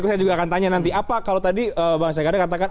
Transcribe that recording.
saya juga akan tanya nanti apa kalau tadi bang syagada katakan